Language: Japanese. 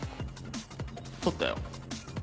撮ったよ。